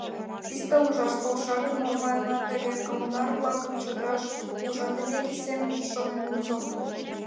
«Писте ложаш полша гын, мом манат ыле», — коммунар-влакым чодыраш ужатымеке, семынже шонен Венцов.